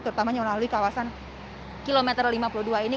terutamanya melalui kawasan kilometer lima puluh dua ini